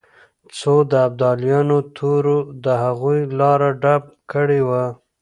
خو د ابدالیانو تورو د هغوی لاره ډب کړې وه.